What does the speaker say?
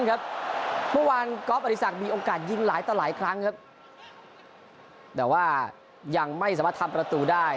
เมื่อวานก๊อฟอริสักมีโอกาสยิงหลายต่อหลายครั้งครับแต่ว่ายังไม่สามารถทำประตูได้